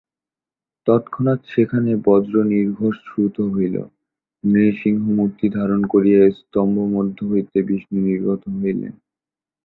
তৎক্ষণাৎ সেখানে বজ্রনির্ঘোষ শ্রুত হইল, নৃসিংহমূর্তি ধারণ করিয়া স্তম্ভমধ্য হইতে বিষ্ণু নির্গত হইলেন।